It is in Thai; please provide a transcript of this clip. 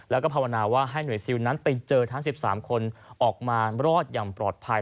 แล้วก็ภาวนาว่าให้หน่วยซิลนั้นไปเจอทั้ง๑๓คนออกมารอดอย่างปลอดภัย